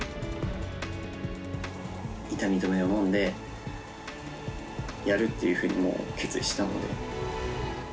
痛み止めを飲んで、やるっていうふうに、もう決意したので。